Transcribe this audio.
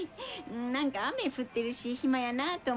何か雨降ってるし暇やなあと思って。